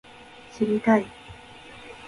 知りたい